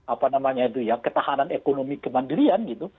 apa namanya itu ya ketahanan ekonomi kemandirian gitu